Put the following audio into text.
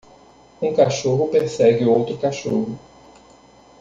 um cachorro persegue outro cachorro.